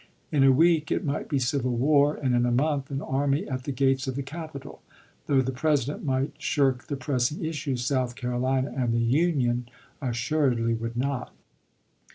In a week it might be civil war ; and in a month an army at the gates of the capital. Though the President might shirk the pressing issues, South Carolina and the Union assuredly would not.